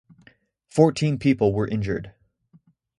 Fourteen people were injured.